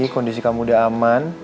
kondisi kamu udah aman